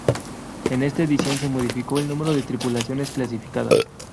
En esta edición se modificó el número de tripulaciones clasificadas.